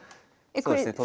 そうですね